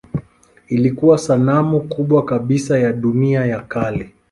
Ilikuwa sanamu kubwa kabisa ya dunia ya kale.